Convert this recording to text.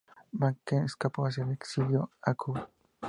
Blanquet escapó hacia el exilio a Cuba.